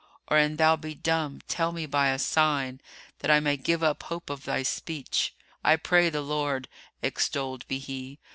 Or, an thou be dumb, tell me by a sign, that I may give up hope of thy speech. I pray the Lord (extolled be He!)